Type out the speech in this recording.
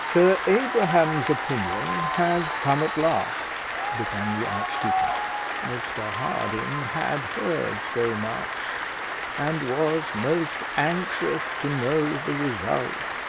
"Sir Abraham's opinion has come at last," began the archdeacon. Mr Harding had heard so much, and was most anxious to know the result.